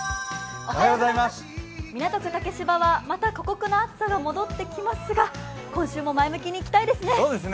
港区竹芝はまた過酷な暑さが戻ってきますが今週も前向きにいきたいですね。